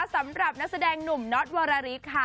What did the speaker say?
สำหรับนักแสดงหนุ่มน็อตวรริสค่ะ